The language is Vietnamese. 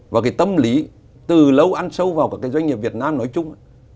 và cái tâm lý từ lâu ăn sâu vào các doanh nghiệp việt nam nói chung